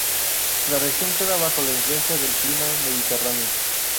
La región queda bajo la influencia del clima mediterráneo.